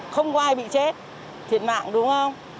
không có ai bị chết thiệt mạng đúng không